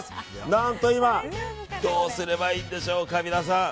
何と今どうすればいいんでしょうか皆さん。